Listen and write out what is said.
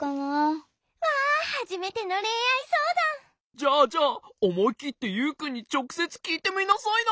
じゃあじゃあおもいきってユウくんにちょくせつきいてみなさいな。